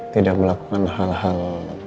tidak melakukan hal hal